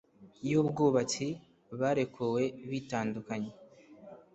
y'ubwubatsi '. 'barekuwe bitandukanye